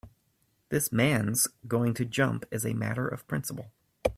This man's going to jump as a matter of principle.